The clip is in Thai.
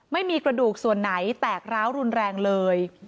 ไม่มีกระดูกส่วนไหนแตกร้าวรุนแรงเลย